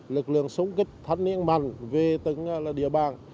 lực lượng súng kích thanh niên mạnh về từng địa bàn